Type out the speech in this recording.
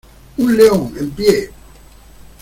¡ un león en pie!...